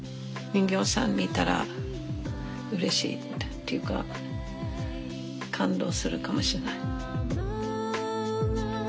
人形さん見たらうれしいっていうか感動するかもしれない。